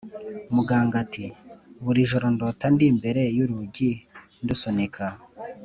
muganga ati « buri joro ndota ndi imbere y’urugi ndusunika,